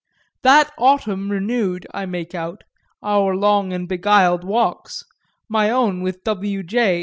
XXV That autumn renewed, I make out, our long and beguiled walks, my own with W. J.